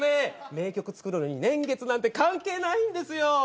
名曲作るのに年月なんて関係ないんですよ